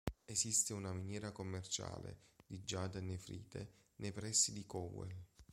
Esiste una miniera commerciale di giada e nefrite nei pressi di Cowell.